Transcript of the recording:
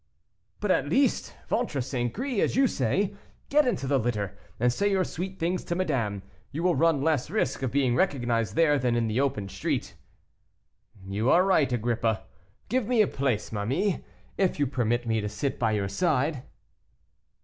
"But, at least, ventre St. Gris, as you say, get into the litter, and say your sweet things to madame; you will run less risk of being recognized there than in the open street." "You are right, Agrippa. Give me a place, ma mie, if you permit me to sit by your side."